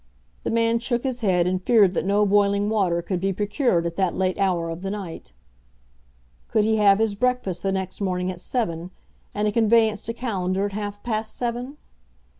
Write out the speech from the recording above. The man shook his head, and feared that no boiling water could be procured at that late hour of the night. Could he have his breakfast the next morning at seven, and a conveyance to Callender at half past seven?